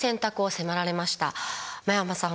真山さん